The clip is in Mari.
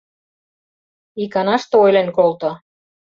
Иканаште ойлен колто!